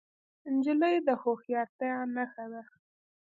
نجلۍ د هوښیارتیا نښه ده.